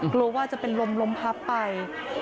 กลัวว่าจะเป็นลมลมพับไป